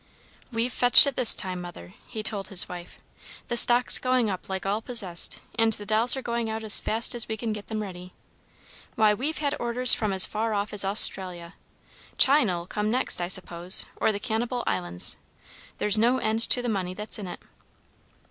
"We've fetched it this time, Mother," he told his wife. "The stock's going up like all possessed, and the dolls are going out as fast as we can get them ready. Why, we've had orders from as far off as Australia! China'll come next, I suppose, or the Cannibal Islands. There's no end to the money that's in it."